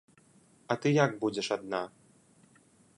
А ты як будзеш адна?